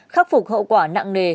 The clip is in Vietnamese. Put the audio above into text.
khắc phục hậu quả nặng nề